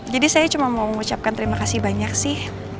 jadi saya cuma mau mengucapkan terimakasih banyak sih